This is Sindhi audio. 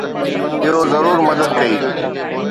اهو ضرور مدد ڪئي.